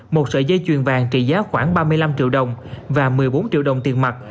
một sợi dây chuyền vàng trị giá khoảng ba mươi năm triệu đồng và một mươi bốn triệu đồng tiền mặt